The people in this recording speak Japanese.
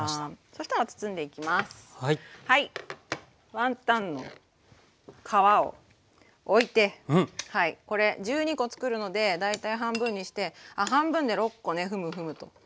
ワンタンの皮をおいてこれ１２コつくるので大体半分にして半分で６コねふむふむと。